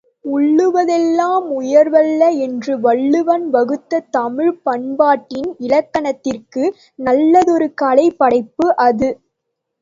உள்ளுவதெல்லாம் உயர்வுள்ளல் என்று வள்ளுவன் வகுத்த தமிழ்ப் பண்பாட்டின் இலக்கணத்திற்கு நல்லதொரு கலைப் படைப்பு அது.